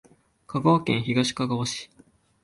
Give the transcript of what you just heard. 香川県東かがわ市